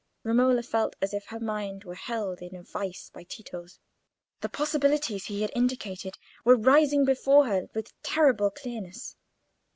Romola felt as if her mind were held in a vice by Tito's: the possibilities he had indicated were rising before her with terrible clearness.